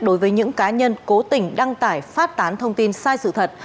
đối với những cá nhân cố tình đăng tải phát tán thông tin sai sự thật